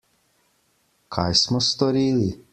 Kaj smo storili?